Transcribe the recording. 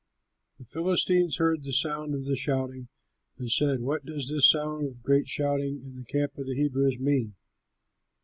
The Philistines heard the sound of the shouting and said, "What does this sound of great shouting in the camp of the Hebrews mean?"